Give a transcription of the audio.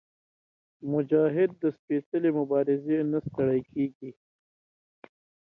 مجاهد د سپېڅلې مبارزې نه ستړی کېږي.